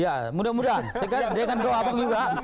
ya mudah mudahan dengan doa bang juga